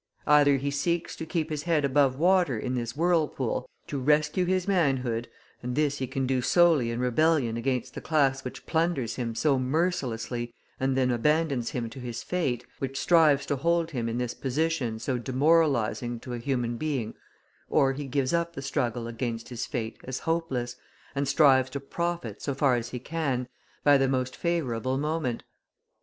Either he seeks to keep his head above water in this whirlpool, to rescue his manhood, and this he can do solely in rebellion against the class which plunders him so mercilessly and then abandons him to his fate, which strives to hold him in this position so demoralising to a human being; or he gives up the struggle against his fate as hopeless, and strives to profit, so far as he can, by the most favourable moment.